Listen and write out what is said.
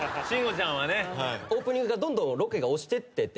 オープニングがどんどんロケが押してってて。